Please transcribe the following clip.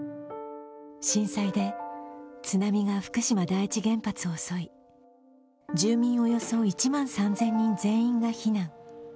震災で津波が福島第一原発を襲い、住民およそ１万３０００人全員が避難。